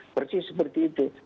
pasti seperti itu